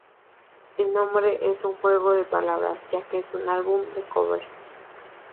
El nombre es un juego de palabras ya que es un álbum de covers.